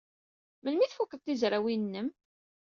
Melmi ay tfuked tizrawin-nnem?